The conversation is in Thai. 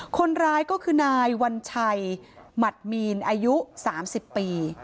คนร้ายก็คือนายวัญชัยหมัดมีนอายุ๓๐ปี